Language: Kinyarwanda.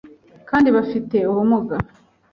kandi bafite ubumuga